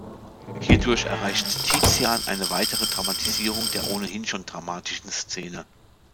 Hierdurch erreicht Tizian eine weitere Dramatisierung der ohnehin schon dramatischen Szene.